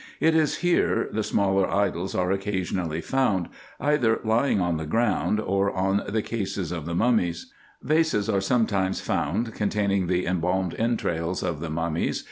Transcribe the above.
It is here the smaller idols are occasionally found, either lying on the ground, z2 172 RESEARCHES AND OPERATIONS or on the cases of the mummies. Vases are sometimes found con taining the embalmed entrails of the mummies.